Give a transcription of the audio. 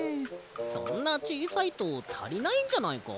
そんなちいさいとたりないんじゃないか？